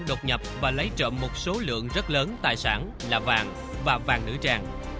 đột nhập và lấy trộm một số lượng rất lớn tài sản là vàng và vàng nữ trang